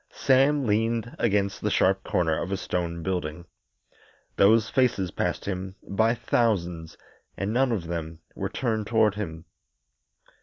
Sam leaned against the sharp corner of a stone building. Those faces passed him by thousands, and none of them were turned toward him.